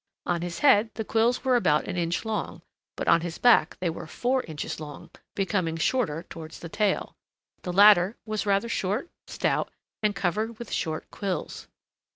On his head the quills were about an inch long, but on his back they were four inches long, becoming shorter towards the tail. The latter was rather short, stout, and covered with short quills.